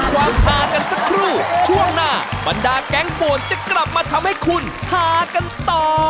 ความพากันสักครู่ช่วงหน้าบรรดาแก๊งป่วนจะกลับมาทำให้คุณฮากันต่อ